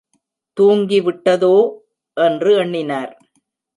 தூங்கிவிட்டதோ! என்று எண்ணினார்.